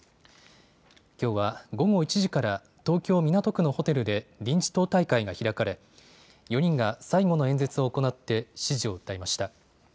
きょうは午後１時から、東京・港区のホテルで臨時党大会が開かれ、４人が最後の演説を行って、支持を訴えました。